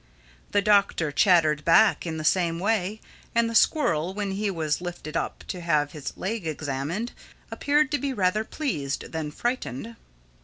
The Doctor chattered back in the same way and the squirrel when he was lifted up to have his leg examined, appeared to be rather pleased than frightened.